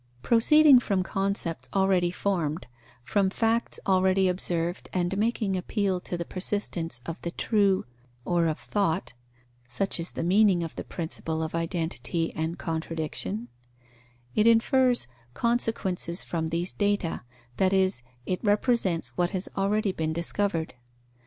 Proceeding from concepts already formed, from facts already observed and making appeal to the persistence of the true or of thought (such is the meaning of the principle of identity and contradiction), it infers consequences from these data, that is, it represents what has already been discovered.